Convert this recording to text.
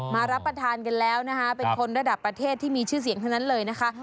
รับประทานกันแล้วนะคะเป็นคนระดับประเทศที่มีชื่อเสียงทั้งนั้นเลยนะคะ